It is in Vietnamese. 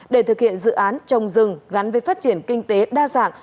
để thực hiện dự án trồng rừng gắn với phát triển kinh tế đa dạng